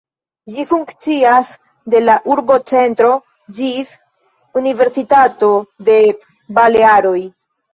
Ĝi funkcias de la urbocentro ĝis Universitato de Balearoj.